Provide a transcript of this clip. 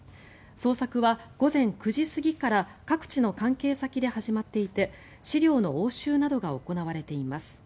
捜索は午前９時過ぎから各地の関係先で始まっていて資料の押収などが行われています。